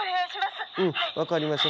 うん分かりました。